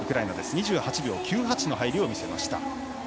２８秒９８の入りを見せました。